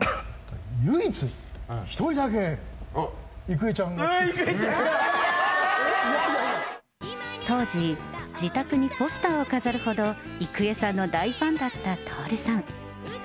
唯一、１人だけ、郁恵ちゃんが好当時、自宅にポスターを飾るほど郁恵さんの大ファンだった徹さん。